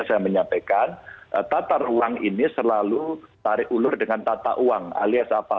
saya menyampaikan tata ruang ini selalu tarik ulur dengan tata uang alias apa